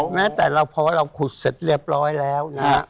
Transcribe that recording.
แม้แต่พอเราขุดเสร็จเรียบร้อยแล้ว